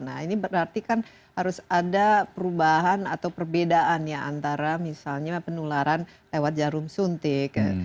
nah ini berarti kan harus ada perubahan atau perbedaan ya antara misalnya penularan lewat jarum suntik